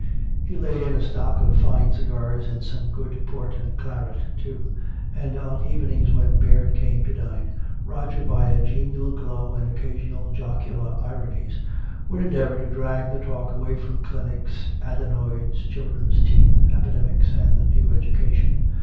He laid in a stock of fine cigars and some good port and claret, too; and on evenings when Baird came to dine, Roger by a genial glow and occasional jocular ironies would endeavor to drag the talk away from clinics, adenoids, children's teeth, epidemics and the new education.